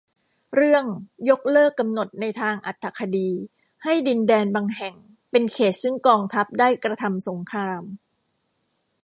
เรื่อง ยกเลิกกำหนดในทางอรรถคดีให้ดินแดนบางแห่งเป็นเขตต์ซึ่งกองทัพได้กระทำสงคราม